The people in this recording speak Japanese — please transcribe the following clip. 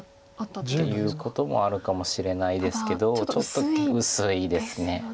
っていうこともあるかもしれないですけどちょっと薄いです。